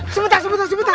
sebentar sebentar sebentar